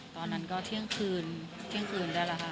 ตอนนั้นก็เที่ยงคืนเที่ยงคืนได้แล้วค่ะ